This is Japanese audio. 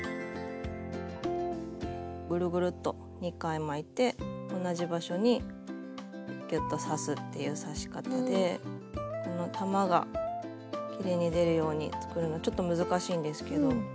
ぐるぐるっと２回巻いて同じ場所にぎゅっと刺すっていう刺し方でこの玉がきれいに出るように作るのちょっと難しいんですけど。